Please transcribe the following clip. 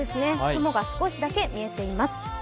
雲が少しだけ見えています。